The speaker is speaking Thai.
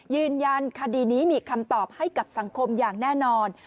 ยืนยันคดีนี้มีคำตอบให้กับสังคมอย่างแน่นอน